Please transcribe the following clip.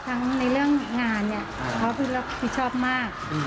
ทั้งในเรื่องงานเขาผิดชอบมาก